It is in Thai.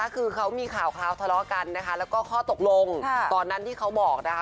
คือเขามีข่าวคราวทะเลาะกันนะคะแล้วก็ข้อตกลงตอนนั้นที่เขาบอกนะคะ